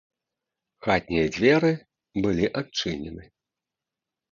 Хатнія дзверы былі адчынены.